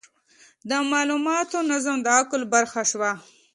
د مالوماتو نظم د عقل برخه شوه.